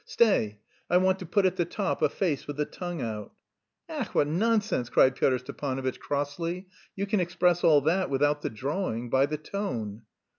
"Stay! I want to put at the top a face with the tongue out." "Ech, what nonsense," cried Pyotr Stepanovitch crossly, "you can express all that without the drawing, by the tone."